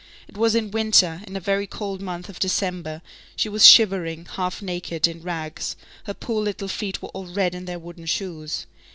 It was in winter, in a very cold month of December, she was shivering, half naked, in rags, her poor little feet were all red in their wooden shoes.